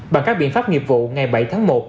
bằng các biện pháp nghiệp vụ ngày bảy tháng một